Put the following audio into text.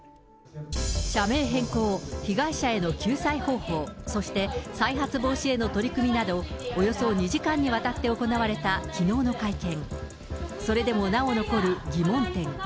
社名変更、被害者への救済方法、そして再発防止への取り組みなど、およそ２時間にわたって行われたきのうの会見。